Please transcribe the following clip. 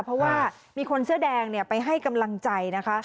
เพราะว่ามีคนเสื้อแดงไปให้กำลังใจนะคะ